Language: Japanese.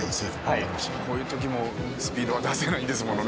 こういう時もスピードは出せないんですものね。